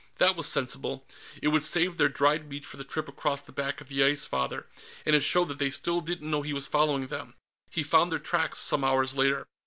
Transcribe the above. That was sensible; it would save their dried meat for the trip across the back of the Ice Father. And it showed that they still didn't know he was following them. He found their tracks, some hours later.